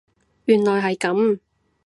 原來係咁